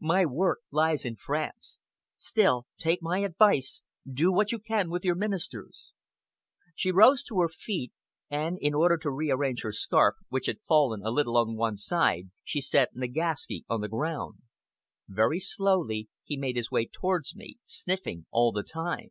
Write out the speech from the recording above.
My work lies in France. Still, take my advice! Do what you can with your ministers." She rose to her feet, and, in order to rearrange her scarf, which had fallen a little on one side, she set Nagaski on the ground. Very slowly, he made his way towards me, sniffing all the time.